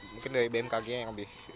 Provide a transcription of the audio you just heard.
mungkin dari bmkg nya yang lebih